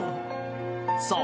そう！